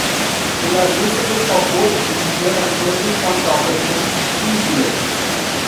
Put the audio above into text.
They are usable for both integer and floating point operations, see below.